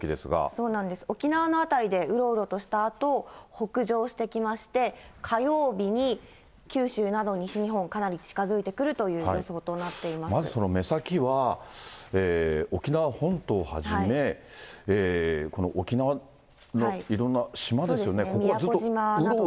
そうなんです、沖縄の辺りでうろうろとしたあと、北上してきまして、火曜日に九州など西日本、かなり近づいてくるという予想となってまずその目先は、沖縄本島をはじめ、この沖縄のいろんな島ですよね、宮古島など。